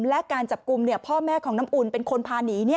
และการจับกลุ่มพ่อแม่ของน้ำอุ่นเป็นคนพาหนี